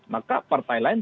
maka partai lain